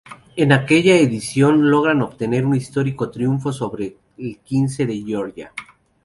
En aquella edición, logran obtener un histórico triunfo sobre el quince de Georgia.